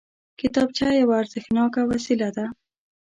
کتابچه یوه ارزښتناکه وسیله ده